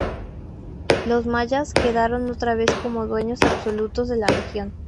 Los mayas quedaron otra vez como dueños absolutos de la región.